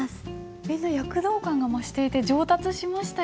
みんな躍動感が増していて上達しましたよね？